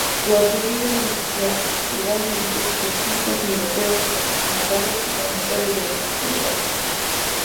Su objetivo es beneficiar igualmente surfistas europeos, patrocinadores y promotores de eventos por igual.